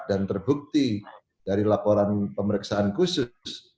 dan terbukti dari laporan pemeriksaan khusus